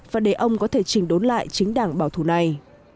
và để ông có thể chỉnh đốn lại chính đảng bảo thủ này